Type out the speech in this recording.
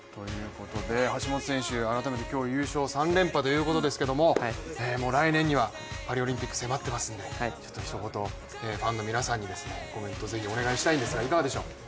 橋本選手、改めて今日優勝３連覇ということですけれども、来年には、パリオリンピック迫っておりますのでひと言、ファンの皆さんにコメントをぜひお願いしたいんですがいかがでしょう。